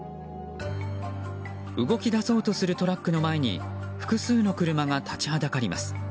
動き出そうとするトラックの前に複数の車が立ちはだかります。